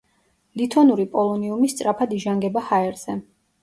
ლითონური პოლონიუმი სწრაფად იჟანგება ჰაერზე.